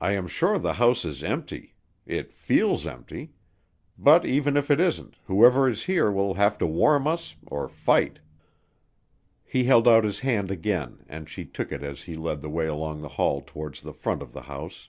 "I am sure the house is empty. It feels empty. But even if it isn't, whoever is here will have to warm us or fight!" He held out his hand again and she took it as he led the way along the hall towards the front of the house.